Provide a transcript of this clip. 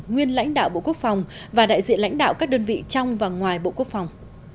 nguyên lãnh đạo bộ quốc phòng và đại diện lãnh đạo các đơn vị trong và ngoài bộ quốc phòng